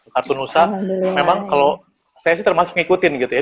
kartun nusa memang kalau saya sih termasuk mengikuti gitu ya